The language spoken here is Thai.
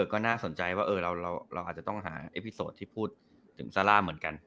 ก็น่าสนใจว่าเราอาจจะต้องหาไอ้พี่โสดที่พูดถึงซาร่าเหมือนกัน